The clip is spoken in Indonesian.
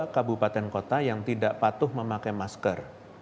tiga puluh dua kabupaten kota yang tidak patuh memakai masker